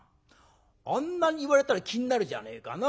あんなに言われたら気になるじゃねえかな